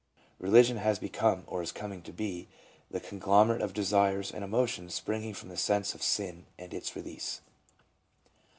Religion has be come — or is coming to be — the conglomerate of desires and emotions springing from the sense of sin and its release.